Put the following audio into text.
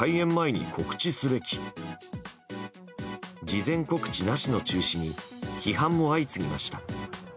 事前告知なしの中止に批判も相次ぎました。